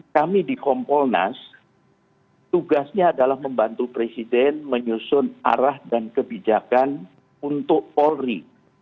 kami di kompolnas tugasnya adalah membantu presiden menyusun arah dan kebijakan untuk polri